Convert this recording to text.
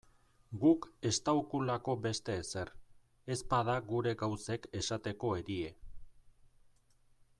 Guk estaukulako beste ezer, ezpada gure gauzek esateko erie.